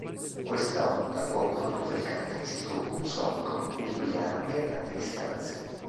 Questa onda può produrre il caratteristico boom sonico, udibile anche a grandi distanze.